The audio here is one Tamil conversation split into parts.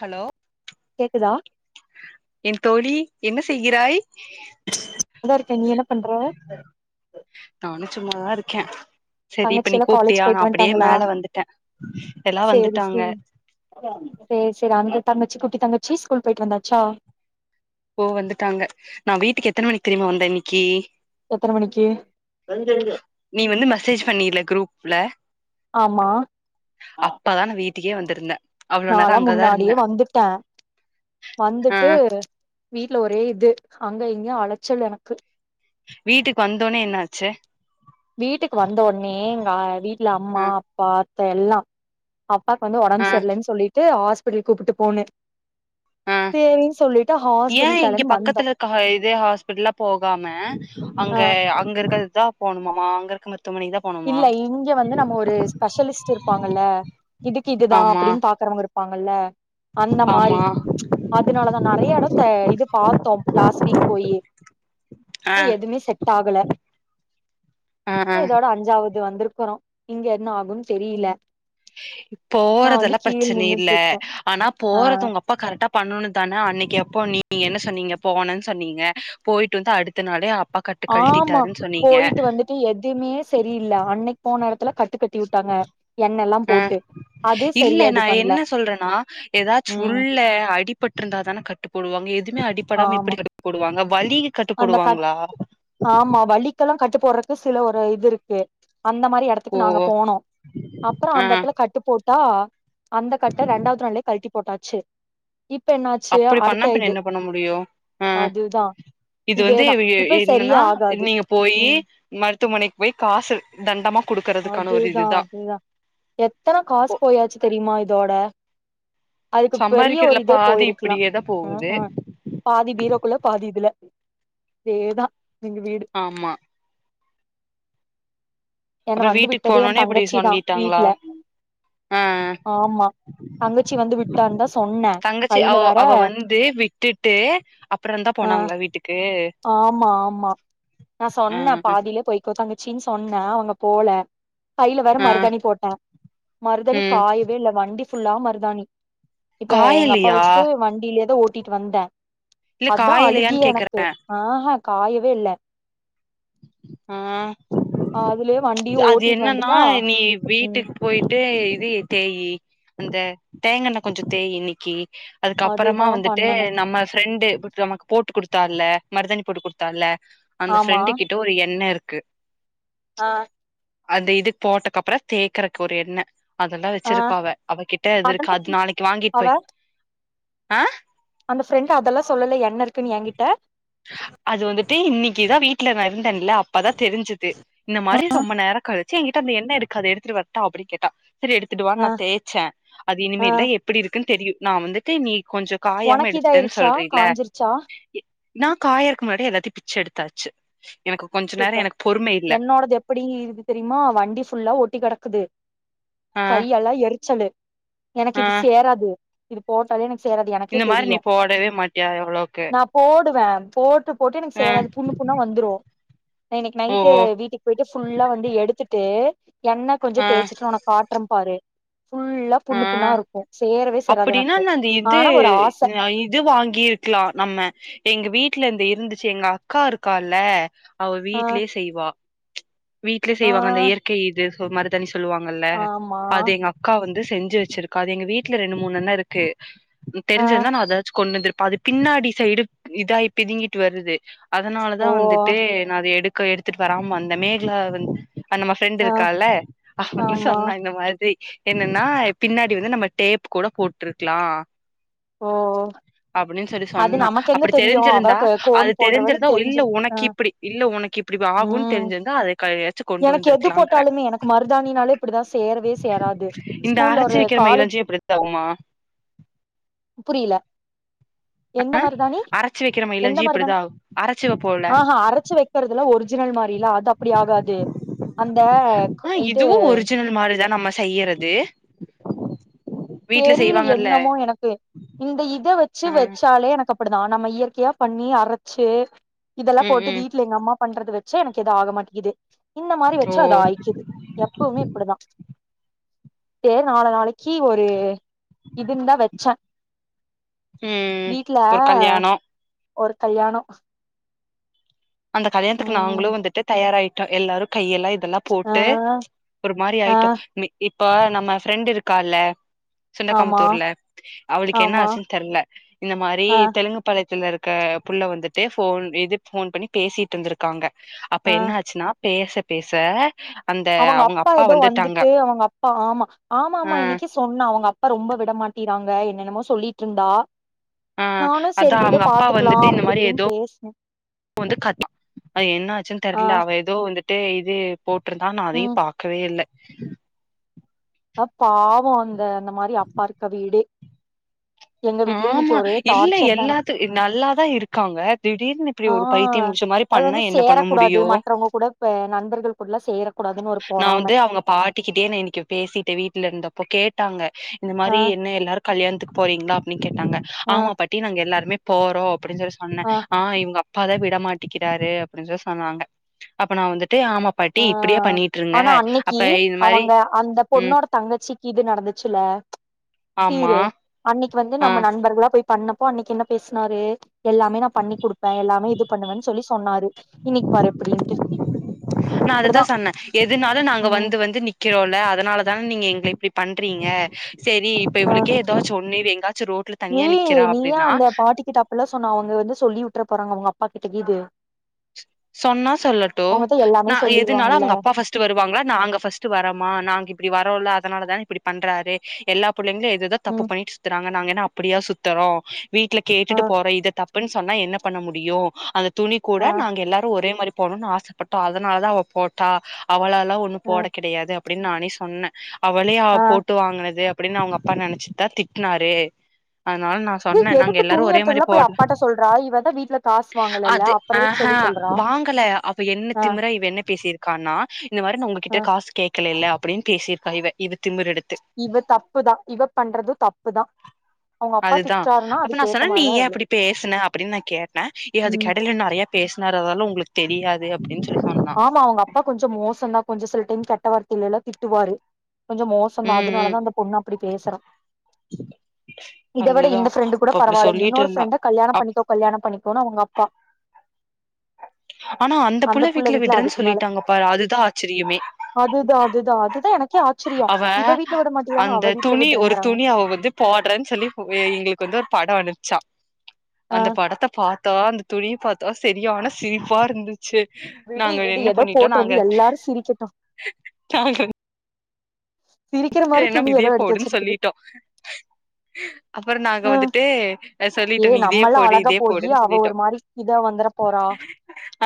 ஹலோ கேக்குதா என் தோழி என்ன செய்கிறாய் அதா இருக்கே நீ என்ன பண்ற நானு சும்மாதா இருக்கே சரி இப்ப நீ தங்கச்சியெல்லா காலேஜ் கூப்ட்டியா நா பெய்ட்டு அப்படியே வன்ட்டாங்களா மேல வந்துட்டே எல்லா சேரி வந்துட்டாங்க சேர் சேர் சேரி அந்த தங்கச்சி குட்டி தங்கச்சி ஸ்கூல் பொயிட் வந்தாச்சா ஓ வந்துட்டாங்க நா வீட்டுக்கு எத்தன மணிக்கு தெரியுமா வந்த இன்னைக்கி எத்தன மணிக்கு நீ வந்து மெசேஜ் பண்ணில்ல குரூப் புல ஆமா டிகே வந்துருந்தே நாலா முன்னாடியே வந்துட்டே ஆ வந்துட்டு வீட்ல ஒரே இது அங்க இங்யு அலச்சல் எனக்கு வீட்டுக்கு வந்தோனெ என்னாச்சு வீட்டுக்கு வந்த ஒன்னே கா வீட்ல அம்மா ஆ அப்பா த எல்லா அப்பாக்கு வந்து ஒடம்பு ஆ சரில்லன் சொல்லிட்டு ஹாஸ் பிடல் கூப்பிட்டு போனே ஆஹ் ஏ இங்க கெளம்பி வந்தோ பக்கத்துல இருக்க அ இதே ஹாஸ்பிட்டல்லா போகாம அங்க ஆ அங்க இருக்றதுக் தா போணுமாமா ரெக்கமர் இல்ல இங்க வந்து நம்ம ஒரு ஸ்பெஷலிஸ்ட் இருப்பாங்கல்ல இதுக்கு இதுதா ஆமா அப்டின் பாக்குறவங்கருப் பாங்கல்ல அந்த மாரி ஆமா அதனாலதா நெறைய எடொ த இது பாத்தோ லாஸ்ட் வீக் போயி ஆ எதுமே செட் ஆகல ஆ ஆ இதோட அஞ் இது வந்துர்க்குறோ இங்க என்ன ஆகுன் தெரியில போறதெல்லா பிரச்சனை இல்ல நின்னுட்டு இருக்கே ஆனா ஆ போறது உங்க அப்பா கரெக்டா பண்ணணு தான அன்னைக்கு அப்ப நீங்க என்ன சொன்னீங்க போனன் சொன்னீங்க போயிட்டு வந்து அடுத்த நாளே அப்பா கட்டு ஆமா கழட்டிட்டாருன்னு சொன்னீங்க போயிட்டு வந்துட்டு எதுமே செரியில்ல அன்னைக்கு போன எடத்துல கட்டு கட்டி விட்டாங்க எண்ணெல்லா அஹ் போட்டு அது இல்ல சரியா நா இது பண்ல என்ன சொல்றனா ஏதாச்சு ம் உள்ள அடிபட்டுருந்தாதான கட்டு போடுவாங்க எது மே அடிபடாம எப்டி ஆமா கட்டு போடுவாங்க வலிக்கு கட்டு அந்த கட் போடுவாங்களா ஆமா வலிக்கெல்லா கட்டு போட்றது சில ஒரு இது இருக்கு அந்த மாரி ஓ எடத்துக்கு நாங்க போனோ அப்புற ஆ அந்த எடத்துல கட்டு போட் தா அந்த கட்ட ரெண்டாவது நாளலே கழட்டி போட்டாச்சு இப்ப என்னாச்சு அப்டி பண்ணா அடுத்த பின்ன இது என்ன பண்ண முடியு ஆ அது தா இது வந்து இவ என்னன்னா நீங்க போயி ம் ம மருத்துவமனைக்கு போய் காசு தண்டமா குடுக்கறதுக்கான ஒரு அதேதா இதுதா அதேதா எத்தன ஓ காசு போயாச்சு தெரிமா இதோட அதுக்கு பெரிய ஒரு சம்பாரிக்கிறதுல இதே பாதி போயிருக்கலாம் இப்டியேதா உஹம் போகுது உஹம் பாதி பீரோக்குள்ள பாதி இதுல இதேதா எங்க வீடு ஆமா என்ன அப்ப வந்து வீட்டுக்கு விட்டதே என் போனோனே இப்டி தங்கச்சி தா சொல்லிட்டாங்களா வீட்ல அஹ் ஆமா தங்கச்சி வந்து விட்டான்தா சொன்னே தங்கச்சி கையில அவ வேற அவ வந்து விட்டுட்டு அப்பறம் தா ஆ போனாங்களா வீட்டுக்கு ஆமா ஆமா நா ஆ சொன்னே பாதில போய் தங்கச்சின் சொன்னே அவங்க போல கைல வேற ஆ மருதாணி போட்டேன் மருதணி ம் காயவே இல்ல வண்டி ஃபுல்லாவு மருதானி இப்ப எங்க அப்பா காயலையா வச்சுட்டு வண்டிலயே தா ஓட்டு கூட்டிட்டு வந்தேன் இல்ல காயலையான் கேக்குறே ஓஹ் ஆஹ் ஆஹ் காயவே இல்ல ஆஹ் அதுலயே வண்டியு அது ஓட்டிட்டு என்னன்னா வந்துட்டா நீ ம் வீட்டுக்கு போயிட்டு இது தேயி அந்த தேங்கண்ண கொஞ்ச தேயி இன்னிக்கு அதுக்கப்பறமா அதுதா வந்துட்டு பண்ணனு நம்ம ஃப்ரெண்டு நமக்கு போட்டு குடுத் த்தால மருதானி போட்டு குடுத்தால்ல ஆமா எண்ணெ இருக்கு ஆஹ் அந்த இது போட்டக்கப்பரோ தேக்கறக்கு ஒரு எண்ணெ அதெல்லா ஆ வச்சிருக்கா அவ அவகிட்ட இது இருக்கு அதெல்லா அது நாளைக்கி வாங்கிட்டு அவ போய் ஆஹ் அந்த ஃப்ரெண்ட் அதெல்லா சொல்லல எண்ண இருக்குன்னு எங்கிட்ட அது வந்துட்டு இன்னைக்குதா வீட்ல நா இருந்தன்ல அப்பதா தெரிஞ்சுது இந்த மாரி ரொம்ப நேர கழி சே எங்கிட்ட அந்த எண்ணெ இருக்கு அத எதுத்துட்டு வரட்டா அப்டி கேட்டா சரி எடுத்துட்டுவா ஆ நா தேச்சே அது ஆ இனிமேல் தா எப்டி இருக்குன் தெரியு நா வந்துட்டு நீ கொஞ்ச காயாம உனக்கு எடுத்துட்டன் இதாயிருச்சா சொல்றீல காஞ்சிருச்சா நா காயறக் முன்னாடியே எல்லாத்தையு பிச்சு எடுத்தாச்சு எனக்கு கொஞ்ச நேரோ சூப்பர் எனக்கு பொறுமை இல்ல என்னோடது எப்படி இருக்கு தெரியுமா வண்டி ஃபுல்லா ஒட்டி கெடக்குது ஆ கையல்லா எரிச்சலு எனக்கு ஆ இது சேராது இது போட்டாலே எனக் சேறாது எனக்கே இந்த மாரி நீ தெரியு போடவே மாட்டியா எவ்ளோக்கு நா போடுவே போட்டு போட்டு எனக்கு ஆ சேராது புண்ணு புண்ணா வந்துரு நா இன்னைக்கு ஓ நைட்டு வீட்டுக் போயிட்டு ஃபுல்லா வந்து எடுத்துட்டு எண்ண கொஞ்ச தேச்சிட்டு ஒனக் காட்றம் பாரு ஃபுல்லா புண்ணு புண்ணா அஹ் இருக்கு சேரவே சேராது அப்படின்னா எனக்கு நாந்த இது ஆனா ஒரு ஆச அ இது வாங்கிருக்கலா நம்ம எங்க வீட் லந்து இருந்துச்சு எங்க அக்கா இருக்கால அவ ஆ வீட்லயே செய்வா வீட்ல ஆ செய்வாங்க அந்த இயற்கை இது சோ மருதானிஷ் சொல்லுவாங்கல்ல ஆமா அது எங்க அக்கா வந் து செஞ்சு வச்சிருக்கா அது எங்க வீட்ல ரெண்டு மூணு அண்ணருக்கு ம் ஆ தெரிஞ்சிர்ந்தா நா அதாச்சு கொண்டந்துர் ப்ப அது பின்னாடி சைடு இதாய் பிதிங்கிட்டு வருது அதுனாலதா ஓ வந்துட்டு நா அத எடுக் க எடுத்துட் வராம இர்ந்த மேகலா வந்து அந் நம்ம ஆ ஃப்ரெண்ட்டுருக்கால்ல அவந்து ஆமா சொன்னா இந்த மாத்ரி நின்னா பின்னாடி வந்து நம்ம டேப் கூட போட்ருக்லா ஓ அப்டின்னு சொல்லி அது சொன்னா நமக்கு எங்க அப்படி தெரியு அவ தெரிஞ்சிருந்தா கோன் அது தெரிஞ்சிருந்தா போடுறவளுக்கு உ இல்ல தெரிஞ்சிருக்கு ஆ உனக்கிப்பிடி இல்ல உனக்கு இப்டி ஆகுன் ம் தெரிஞ்சிருந்தா அது கைய எனக்கு எது போட்டாலுமே எனக்கு மருதாணினாலே இப்படி சேரவே சேராது இந்த ஸ்கூல்ல அரச்சு ஒரு வைக்கிற காலேஜ், மயிலாஞ்சி இப்டித்தா ஆகுமா புரில எந்த மருதாணி அரச்சு வைக்கிற எந்த மயிலாஞ்சி மருதாணி இப்டிதா ஆகு அரச்சு வப்போல ஆஹ அரைச்சு வைக்கிறதுல ஒரு ஒரிஜினல் மாரிலா அது அப்படி ஆகாது அந்த ஆ இது இதுவு ஒரிஜினல் மாரிதா நம்ம செய்யறது வீட்ல தெரியல செய்வாங்கல்ல என்னமோ எனக்கு இந்த இத வச்சு ஆ வச்சாலே எனக்கு அப்படிதா நம்ம இயற்கையா பண்ணி அரைச்சு இதெல்லா ம் போட்டு ம் வீட்ல எங்க அம்மா பண்றது வெச்சா எனக்கு ஆக மாட்டேங்கிது இந்த மாரி ஓ வெச்சா அது ஆயிக்குது எப்பவுமே இப்டிதா ஏ நாலு நாளக்கி ஒ து இதுன்தா வச்சா ம் ம் ம் ஒரு கல்யாணொ ஒரு கல்யாணொ அந்த கல்யாண்த்துக்கு நாங்களு வந்துட்டு தயாராய் ட்டோ எல்லாரு கையெல்லா இதெல்லா ஆ போட்டு ஒரு மாரி ஆ ஆய்ட்டோ இப்ப நம்ம ஃப்ரெண்டு இருக்கால்ல ஆமா சுண்டக்காமுத்தூர்ல அவளுக்கு என்ன ஆமா ஆச்சுன் தெர்ல இந்த மாரி ஆ தெலுங்கு பள [unintelligible] இருக்க புள்ள வந்துட்டு ஃபோன் இது ஃபோன் பண்ணி பேசிட்ருந்துருக்காங்க அப்ப ஆ என்ன ஆச்சுன்னா பேசப் பேச அவங்க அப்பா ஏதோ வந்துட்டு அவங்க அப்பா ஆமா ஆமா ஆ ஆமா என்னக்கி சொன்னா அவ்ங்க அப்பா ரொம்ப விடமாட்டி க்காங்க என்னென்னமோ சொல்லிட்ருந்தா ஆ அதா அவுங்க அப்பா வந்துட்டு இந்த அப்டி மாரி இப்டின்னு ஏதோ பேசினே [inaudible] வந்து [inaudible] என்ன ஆச்சுன் ஆ தெர்ல அவ ஏதோ வந்து டேய் இது போட்டுருந்தா நா அதையு ம் பாக்கவே இல்ல அ பாவோ அந்த இந்த மாரி அப்பா இருக்க வீடே எங்க வீட்லயே இன்னைக்கு ஆமா ஒரே இல்ல டார்ச்சர் தா எனக்கு எல்லாத்து நல்லாதா இருக்காங்க திடீர்னு இப்பிடி ஆ ஒரு பைத்தியம் புடிச்ச மாரி அது பண்ணா வந்து என்ன பண்ண சேரக்கூடாது முடியு, மற்றவங்க கூட இப்ப நண்பர்கள் கூடலா சேரக்கூடாதுன்னு ஒரு நா பொறாம வந்து அவங்க பாட்டிக்கிட்டயே நா இன்னைக்கி பேசிட்ட வீ ட்ல இருந்தப்போ கேட்டாங்க இந்த ஆ மாரி என்ன எல்லாரு கல்யாணத்துக்கு போறிங்ளா கேட்டாங்க, ஆ ஆமா பாட்டி நாங்க எல்லாருமே போறோ அப்டின்னு சொல்லி சொன்னே ஆ இவங்க அ ப்பாதா விடமாட்டிக்கிறாரு அப்படின்னு சொல்லி சொன்னாங்க அப்ப நா வந்து ஆ ஆனா அன்னைக்கி அப்ப இது மாரி அவங்க அந்த ம் பொண்ணோட தங்கச்சிக்கு இது நடந்துச்சில்ல ஆமா சீரு அன்னி க்கி வந்து ஆ நம்ம நண்பர்களா போய் பண்ணப்போ அன்னக்கி என்ன பேசுனாரு எல்லாமே நா பண்ணி குடுப்பே எல்லாமே இது பண்ணுவன் சொல்லி சொன்னாரு இன்னிக் பாரு எப்டின்ட்டு நா அததா இப்டிதா சொன்ன எதுனாலு நாங்க ம் வந்து வந்து நிக்கிறோல்ல அதனால தான் நீங்க எங்கள இப்டி பண்றீங்க சேரி இப்ப ஆ இவளுக்கே ஏதாச்சு ஒன்னு இவ எங் ஏய் நீ ஏ அந்த பாட்டிக்கிட்ட அப்புல்லா சொன்ன அவுங்க வந்து சொல்லி உ ட்ற போறாங்க அவ்ங்க அப்பாக் கிட்ட கீது சொன்னா சொல்லட்டு அவங்கதா எல்லாமே நா எதுனால சொல்லிருவாங்கல்ல அவுங்க அப்பா ஃபஸ்ட்டு வருவாங்ளா நாங்க ஃபஸ்ட்டு வரமா நாங் இப் டி வரோல்ல அதனாலதா இப்டி பண்றாரு எல்லா புள்ளைங்களு எதேதோ தப்பு ம் பண்ணிட்டு சுத்துறங்க நாங்க என்ன அப் டியா சுத்தறோ வீட்ல ஆ கேட்டுட்டு போறோ இத தப்புன் சொன்னா என்னப் பண்ண முடியு அது துணி கூட ஆ நாங்கெல்லா ஒரே மாரி போட்னுனு ஆசப்பட்டா அதனாலதா அவ போட்டா அவளா நா ஒன்னு ஆ போட கெடையாது அப் அப்டின் நானே சொன்னே அவளே அவ ஆ போட்டு வாங்குனது அப்டின் அவ்ங்க அப்பா நெனச்சுத்தா திட்னாரு அதனால நா ஏ சொன்னே நாங்க எதுக்கு எல்லாரு துணி ஒரே மாரி எடுத்ததுலா போய் போடலா அப்பாட்ட சொல்றா இவதா வீட்ல காசு வாங்கலல அப்பற எதுக்கு சொல்லு சொல்ற வாங்கள அவ என்ன திமிரா இவ என்ன பேசிற் க்கானா இந்த மாரி நா உங்ககிட்ட ஆ காசு கேக்கலேல அப் அப்டின் பேசிருக்கா இவ இவ திமிரெடுத் து இவ தப்புதா இவ பண்றது தப்புதா அவங்க அப்பா அதுதா திட்றாருன்னா அப்ப நா அதுக்கு ஏத்த சொன்ன நீ மாரிதா ஏ இவளு அப்பிடி பேசுன அப்டின் நா கேட்ட ஏ ம் அதுக்கெடையுல நறையா பேசுனார் ஆனா உங்ளுக்கு தெரியாது அப்டின் ஆமா அவுங்கப்பா கொஞ்ச மோசந்தா கொஞ்சோ சில டைம் கெட்ட வார்த்தைலலா திட்டுவாரு கொஞ்ச மோசந்தா ம் ம் அதுனாலதா அந்த பொண்ணு அப்பிடி பேசறா இத விட அதுதா இந்த ஃப்ரெண்டு கூட அப்ப அப்டி பரவால்ல சொல்லிட்டு இன்னொரு இருந்தா ஃப்ரெண்ட கல்யாண அப் பண்ணிக்கோ கல்யாண பண்ணிக்கோனு அவுங்கப்பா ஆனா அந்த புள்ள வீட் வீட்ல விடறன் சொல்லிட்டாங்கப்பா அதுதா ஆச்சரியமே அதுதா அதுதா அதுதா எனக்கே ஆச்சரியோ அவ இவ வீட்ல விட மாட்டேங்கிறாங்க அந்த அவ வீட்ல துணி ஒரு விடுறேங்கறாங்க துணி அவ வந்து போடறன் சொல்லி எங்ளுக்கு வந்து ஒரு பட அனுப்ச்சா ஆ அந்த படத்த பாத் த்தா அந்த துணிய பாத்தா செரியான சிரிப்பா இருந்து ச்சு விடு நாங்க விடு என்ன ஏதோ பண்ணிட்டோ போட்டு நாங்க வந்து எல்லாரு சிரிக்கட்டு நாங்க சிரிக்கிற மாரி வேனா துணி இதே ஏதோ எடுத்து போடுன் வச்சிருக்குது சொலிட்டோ அப்பற நாங்க ஆ வந்துட்டு அஹ் சொல்லிட்டோ ஏ நீ இதயே நம்மல்லா போடு அழகா இதே போயி போடுன் அவ சொல்லிட்டோ ஒரு மாரி இதா வந்துர போறா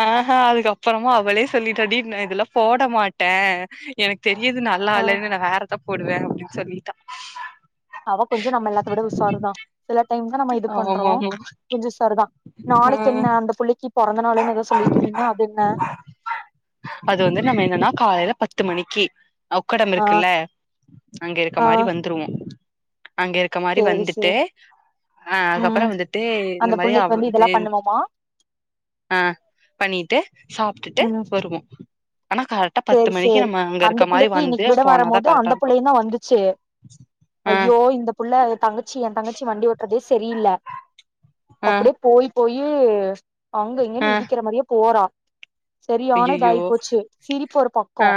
ஆஹ்ஹ அதுக்கப்பறமு அவளே சொல்லிட் டாடி நா இதெல்லா போட மாட்டே எனக் தெரியிது நல்லா ஆ இல்லைனு நா வேற இதா போடுவே அப்டின் சொல்லிட்டா அவ கொஞ்ச நம்ம எல்லாத்த விட உசாரு தா சிலர் டைம் தா நம்ம இது பண்றோ ஆமா ஆமா [unintelligible] நாளைக்கு என்ன அந்த புள்ளைக்கு பொறந்த நாளுனு எதோ சொல்லிட்ருந்தீங்க அது என்ன அது வந்து நம்ம என்னன்னா காலையில பத்து மணிக்கு உக்கடம் ஆ இருக்குல்ல அங்க இருக்க ஆ மாரி வந்துருவு அங்க இருக்க மாரி சேரி வந்துட்டு சேரி ஆ. அதுக்கப்பற ம் வந்துட்டு இந்த அந்த மாரி புள்ளைக்கு வந்து இதெல்லா பண்ணுவோமா ஆ பண்ணிட்டு சாப்ட்டுட்டு ம் வருவோ ஆனா கரெக்டா பத்து சேரி மணிக்கு சேரி நம்ம அங்க அந்த இருக்க மாரி புள்ளக்கி வந்து இன்னைக்கு விட போனாதா வரம்மோது கரெக்டா அந்த இருக்கு புள்ளயுந்தா வந்துச்சு ஆ ஐயோ இந்த புள்ள எ தங்கச்சி எ தங்கச்சி வண்டி ஓட்றது செரியில்ல ஆ அப்டே போய் போய்யோ அங்க ஆ இங்கன்னு இடிக்கிற மாரியே போறா செரியானதாயி ஐயையோ போச்சு சிரிப்பு ஒரு பக்கோ ஆ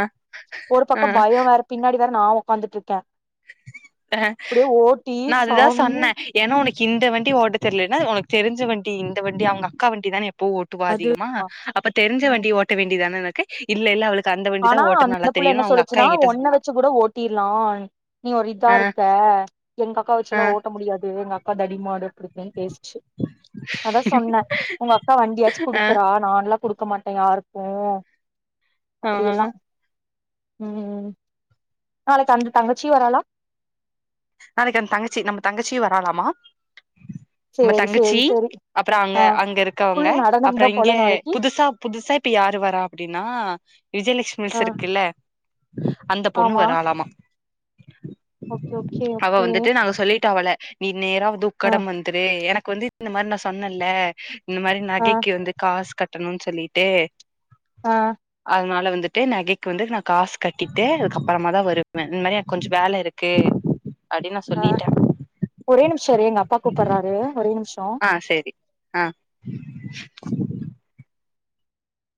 ஒரு ஆ பக்கோ பய வேற பின்னாடி பாரு நா ஒக்காந்துட்ருக்கே அ நா அதுதா சாமி சொன்னே ஏனா ஒனக் இந்த வண்டி ஓட்ட தெரிலனா ஒனக்கு தெரிஞ்ச வண்டி இந்த வண்டி அவ்ங்க அக்கா வண்டி தானே எப்பவு ஓட்டுவா அது அதிகமா அப்ப தெரிஞ்ச வண்டி ம் ஓட்ட வேண்டிதானனக்கு இல்ல இல்ல அவளுக் ஆனா அந்த புள்ள என்ன சொல்லுச்சுனா ஒன்ன சொன்னா வச்சு கூட ஓட்டிர்லான் நீ ஒரு இதா ஆ இருக்க [inaudible] எங்க அக்கா ஆ வச்சுலா ஓட்ட முடியாது எங்க அக் கா தடி மாடு இப்டித்தே பேசுச்சு அதா சொன்னே ஒங்க அக்கா வண்டியாச்சு ஆ குடுக்குறா நான்லா குடுக் க்க மாட்டே யாருக்கு ஆமாங்க உம் நாளைக்கு அந்த தங்கச்சி வராலா நாளைக்கு அந்த தங்கச்சி நம்ம தங்கச்சியு வராலாமா நம்ம சேரி தங்கச்சி சேரி சேரி அப்ற அங்க ஆ அங்க இருக்கவ்ங்க ஃபுல் நடனம் அப்ற தா போல இங்க நாளைக்கு புதுசா புதுசா இப்ப யாரு வரா அப்டினா ஆ விஜயலெக்ஷ்மிஸ் இருக்குல்ல அந்த பொண்ணு ஆமா வராலாமா ஓகே ஓகே அவ ஓகே வந்துட்டு நாங்க சொல்லிட்டோ அவள நீ நேரா வந்து ஆ உக்கடம் வந்துரு எனக்கு வந்து இந்த மாரி நா சொன்னல்ல இந்த மாரி ஆ நகைக்கு வந்து காசு கட் ட்டணுன் சொல்லிட்டு ஆ அதனால வந்துட்டு நகைக்கு வந்து நா காசு கட்டிட்டு அதுக்கு அப்புறமாதா வருவே இந்த மாரி எனக்கு கொஞ்ச வேலை இருக்கு அப்டின் நா சொல்லிட்டே செரி எங்க அப்பா கூப்பர்றாரு ஒரே நிமிஷ ஆ சேரி ஆ